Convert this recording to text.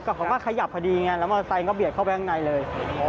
เขาก็ขยับพอดีไงแล้วมอเตอร์ไซค์ก็เบียดเข้าไปข้างในเลย